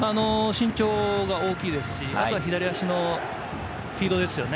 身長が大きいですし、左足のフィードですよね。